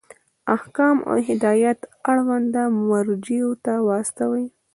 احکام او هدایات اړونده مرجعو ته واستوئ.